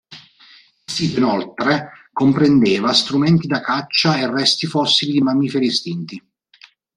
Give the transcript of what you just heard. Il sito, inoltre, comprendeva strumenti da caccia e resti fossili di mammiferi estinti.